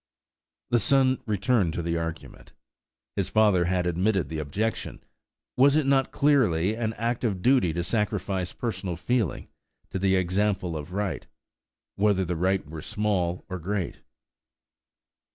The son returned to the argument. His father had admitted the objection; was it not then clearly an act of duty to sacrifice personal feeling to the example of right–whether the right were small or great?